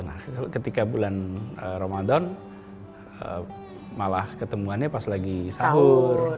nah ketika bulan ramadan malah ketemuannya pas lagi sahur